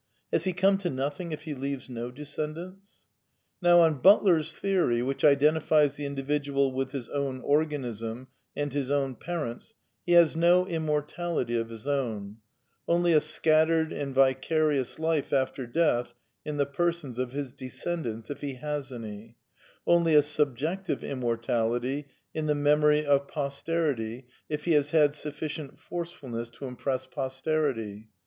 Has he come to nothing if he leaves no descendants ? Now on Butler's theory, which identifies the individual with his own organism and his own parents, he has no im mortality of his own, only a scattered and vicarious life after death in the persons of his descendants (if he has any) ; only a subjective immortality in the memory of pos terity, if he has had sufficient f orcefulness to impress pos terity.